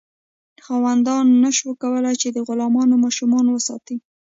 خاوندانو نشو کولی چې د غلامانو ماشومان وساتي.